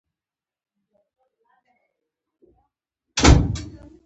تواب وويل: بیا هم خطر دی.